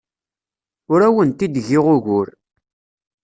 Ur awent-d-giɣ ugur.